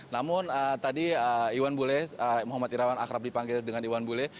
namun tadi iwan bule muhammad irawan akrab dipanggil dengan iwan bule